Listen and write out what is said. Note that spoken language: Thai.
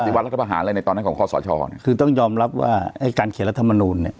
วัดรัฐประหารอะไรในตอนนั้นของคอสชคือต้องยอมรับว่าไอ้การเขียนรัฐมนูลเนี่ย